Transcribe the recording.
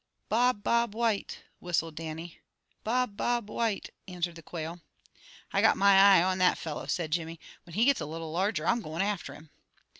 "Bob, Bob White," whistled Dannie. "Bob, Bob White," answered the quail. "I got my eye on that fellow," said Jimmy. "When he gets a little larger, I'm going after him."